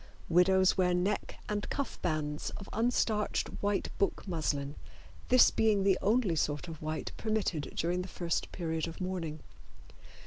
Widows wear neck and cuff bands of unstarched white book muslin, this being the only sort of white permitted during the first period of mourning.